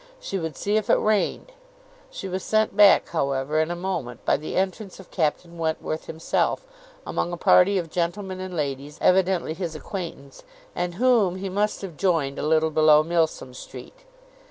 She would see if it rained. She was sent back, however, in a moment by the entrance of Captain Wentworth himself, among a party of gentlemen and ladies, evidently his acquaintance, and whom he must have joined a little below Milsom Street.